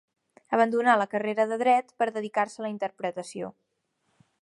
Abandonà la carrera de Dret per dedicar-se a la interpretació.